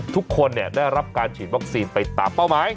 ทุกคนได้รับการฉีดวัคซีนไปตามเป้าหมาย